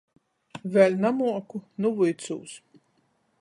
Vēļ namuoku, nu vuicūs.